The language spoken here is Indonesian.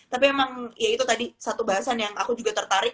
tapi emang ya itu tadi satu bahasan yang aku juga tertarik